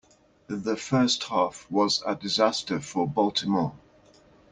The first half was a disaster for Baltimore.